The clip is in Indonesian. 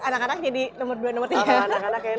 sama anak anak kayaknya nomor kesekian ya